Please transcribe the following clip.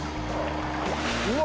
うわ！